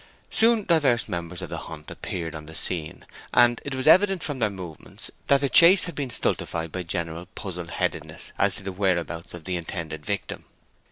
Soon divers members of the hunt appeared on the scene, and it was evident from their movements that the chase had been stultified by general puzzle headedness as to the whereabouts of the intended victim.